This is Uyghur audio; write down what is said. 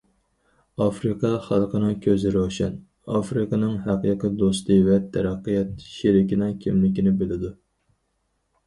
ئافرىقا خەلقنىڭ كۆزى روشەن، ئافرىقىنىڭ ھەقىقىي دوستى ۋە تەرەققىيات شېرىكىنىڭ كىملىكىنى بىلىدۇ.